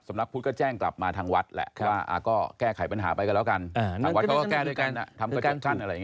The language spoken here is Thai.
ทำกระจ่าขั้นอะไรอย่างนี้